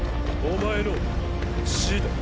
お前の死だ。